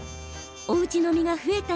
おうち飲みが増えた